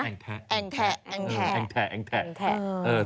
แอ็งแทะแองแทะแอ็งแทะ